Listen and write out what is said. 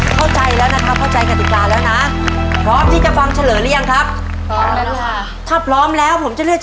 เข้าใจแล้วนะครับเข้าใจกฎิการแล้วนะ